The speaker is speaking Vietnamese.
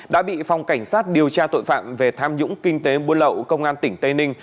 đã bị phòng cảnh sát điều tra tội phạm về tham nhũng kinh tế buôn lậu công an tỉnh tây ninh